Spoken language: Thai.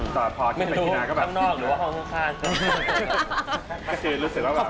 พอใช้เป็นที่นานแล้วก็อยู่ครั้งนอกหรือห๊องหน้าข้าง